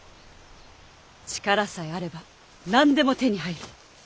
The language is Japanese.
力さえあれば何でも手に入る！